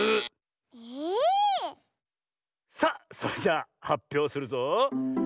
さあそれじゃはっぴょうするぞ。